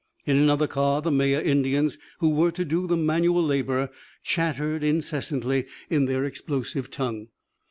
In another car the Maya Indians who were to do the manual labour chattered incessantly in their explosive tongue.